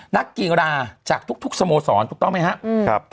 นักกีฬาจากทุกสโมสรถูกต้องไหมครับ